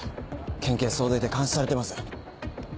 県警総出で監視されています。